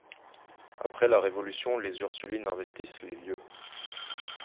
Après la Révolution, les Ursulines investissent les lieux.